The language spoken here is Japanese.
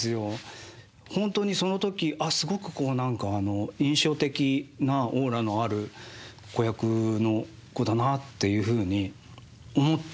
本当にその時あっすごく何かあの印象的なオーラのある子役の子だなっていうふうに思ったんですね。